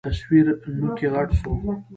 تصوير نوکى غټ سو.